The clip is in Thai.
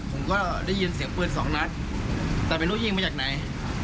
ผมก็ได้ยินเสียงปืนสองนัดแต่ไม่รู้ยิงมาจากไหน